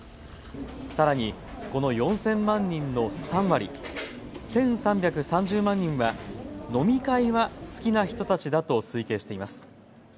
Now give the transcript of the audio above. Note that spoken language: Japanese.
さらにこの４０００万人の３割、１３３０万人は飲み会は好きな人たちだと推計しています。